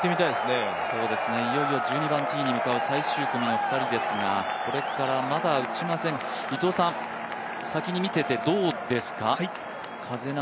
いよいよ１２番ティーに向かう最終組の２人ですがこれからまだ打ちません、伊藤さん先に見ててどうですか？